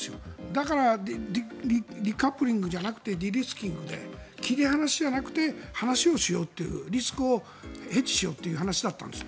だからデカップリングじゃなくてデリスキングで切り離しちゃなくて話をしようというリスクをヘッジしようという話だったんです。